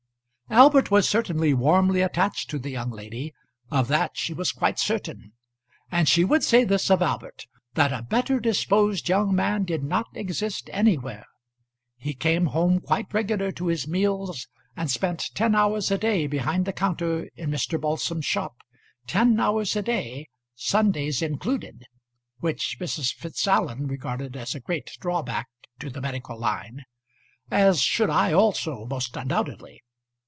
Albert was certainly warmly attached to the young lady. Of that she was quite certain. And she would say this of Albert, that a better disposed young man did not exist anywhere. He came home quite regular to his meals, and spent ten hours a day behind the counter in Mr. Balsam's shop ten hours a day, Sundays included, which Mrs. Fitzallen regarded as a great drawback to the medical line as should I also, most undoubtedly.